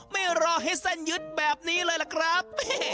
ไม่รอให้เส้นยึดแบบนี้เลยล่ะครับ